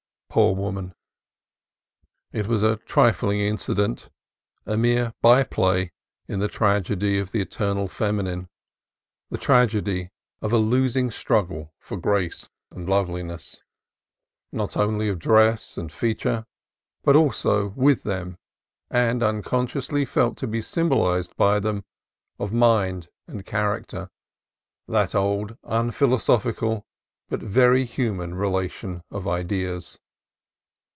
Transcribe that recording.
Poor woman! It was a trifling incident, a mere by play, in the tragedy of the eternal feminine: the tragedy of a losing struggle for grace and loveliness, 46 CALIFORNIA COAST TRAILS not only of dress and feature, but also, with them and unconsciously felt to be symbolized by them, of mind and character, — that old, unphilosophical, but very human relation of ideas.